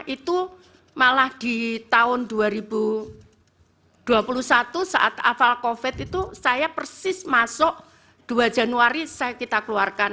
itu malah di tahun dua ribu dua puluh satu saat hafal covid itu saya persis masuk dua januari saya kita keluarkan